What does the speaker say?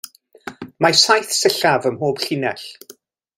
Mae saith sillaf ym mhob llinell.